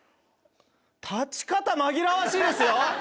立ち方紛らわしいですよ！